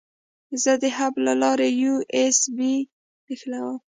زه د هب له لارې یو ایس بي نښلوم.